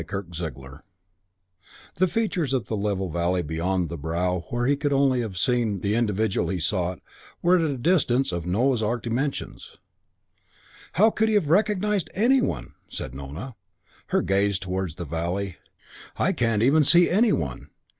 VII The features of the level valley beyond the brow where only he could have seen the individual he sought, were, at that distance, of Noah's Ark dimensions. "How he could have recognised any one!" said Nona, her gaze towards the valley. "I can't even see any one.